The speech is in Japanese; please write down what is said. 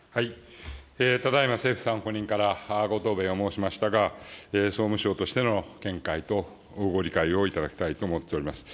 ただいま政府参考人からご答弁を申しましたが、総務省としての見解とご理解をいただきたいと思っております。